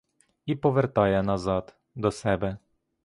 І повертає назад, до себе.